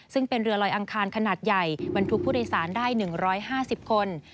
ซึ่งเป็นเรือลอยอังคารขนาดใหญ่บรรทุกผู้โดยสารได้๑๕๐คน